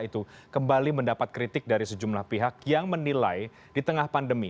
itu kembali mendapat kritik dari sejumlah pihak yang menilai di tengah pandemi